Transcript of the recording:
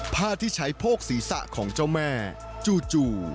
ผ้าที่ใช้โพกศีรษะของเจ้าแม่จู่